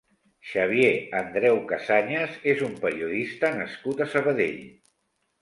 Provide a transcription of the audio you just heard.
Xavier Andreu Casañas és un periodista nascut a Sabadell.